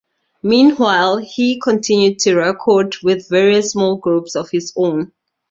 Meanwhile, he continued to record with various small groups of his own.